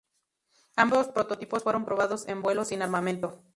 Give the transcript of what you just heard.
Ambos prototipos fueron probados en vuelo sin armamento.